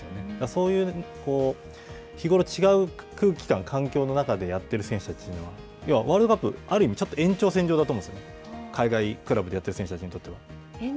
そういう日頃違う空気感、環境の中でやっている選手は、要はワールドカップ、ある意味、ちょっと延長線上だと思うんですね、海外クラブでやっている選手たちにとっては。